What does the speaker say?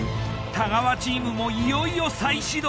太川チームもいよいよ再始動。